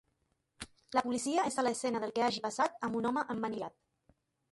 La policia és a l'escena del que hagi passat amb un home emmanillat.